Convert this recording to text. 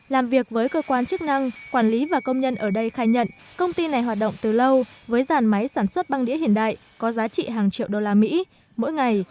làm việc với cơ quan chức năng quản lý và công nhân ở đây khai nhận công ty này hoạt động từ lâu với dàn máy sản xuất băng đĩa hiện đại có giá trị hàng triệu đô la mỹ mỗi ngày